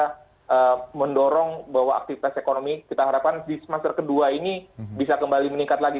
karena mendorong bahwa aktivitas ekonomi kita harapkan di semester kedua ini bisa kembali meningkat lagi